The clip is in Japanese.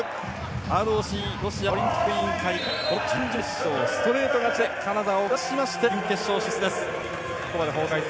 ＲＯＣ＝ロシアオリンピック委員会がこの準々決勝ストレート勝ちでカナダを下しまして準決勝進出です。